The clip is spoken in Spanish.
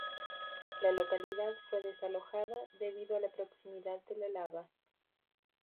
La localidad fue desalojada debido a la proximidad de la lava.